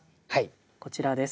こちらです。